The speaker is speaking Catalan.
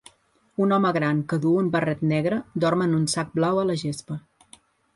Un home gran que duu un barret negre dorm en un sac blau a la gespa.